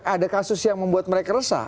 ada kasus yang membuat mereka resah